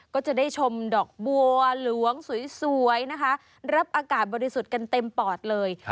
ก็จะได้ชมดอกบัวหลวงสวยนะคะรับอากาศบริสุทธิ์กันเต็มปอดเลย